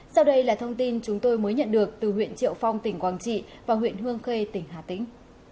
sau đây là thông tin chúng tôi mới nhận được từ huyện triệu phong tỉnh quảng trị và huyện hương khê tỉnh hà tĩnh